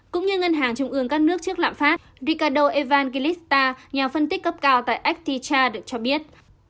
cũng như ngân hàng trung ương các nước trước lãm phát ricardo evangelista nhà phân tích cấp cao tại acticha được cho biết